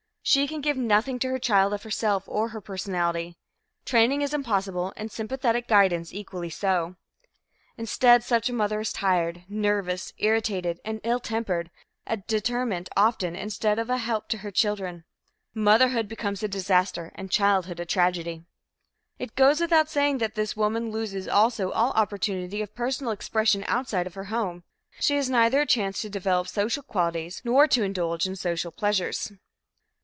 She can give nothing to her child of herself, of her personality. Training is impossible and sympathetic guidance equally so. Instead, such a mother is tired, nervous, irritated and ill tempered; a determent, often, instead of a help to her children. Motherhood becomes a disaster and childhood a tragedy. It goes without saying that this woman loses also all opportunity of personal expression outside her home. She has neither a chance to develop social qualities nor to indulge in social pleasures.